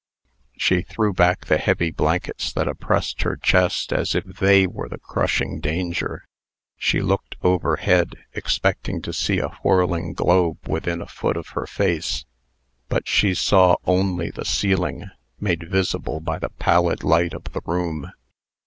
She threw back the heavy blankets that oppressed her chest, as if they were the crushing danger. She looked overhead, expecting to see a whirling globe within a foot of her face. But she saw only the ceiling, made visible by the pallid light of the room.